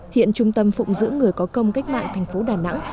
hiện trung tâm phụng dưỡng người có công cách mạng thành phố đà nẵng